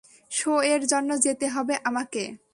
শো-এর জন্য যেতে হবে আমাকে।